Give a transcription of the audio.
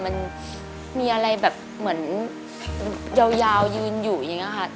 มันมีอะไรแบบเหมือนยาวยืนอยู่อย่างนี้ค่ะ